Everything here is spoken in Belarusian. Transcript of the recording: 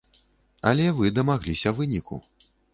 Але вы дамагліся выніку.